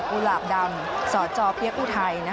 กุหลาบดำสจเบี้ยกูไทย